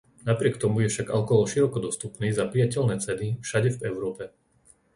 Napriek tomu je však alkohol široko dostupný za prijateľné ceny všade v Európe.